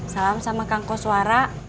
salam sama kang koswara